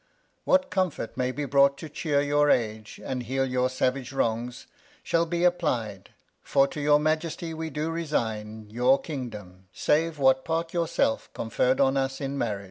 What Comfort may be brought to chear your Age, And heal your savage Wrongs, shall be apply'd. For to your Majesty we do resign Your Kingdom, save what Part your self conferr'd On us in Marriage.